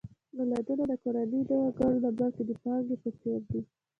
اولادونه د کورنۍ د وګړو نه، بلکې د پانګې په څېر دي.